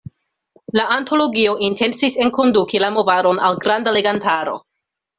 La antologio intencis enkonduki la movadon al granda legantaro.